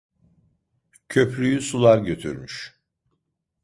Köprüyü sular götürmüş...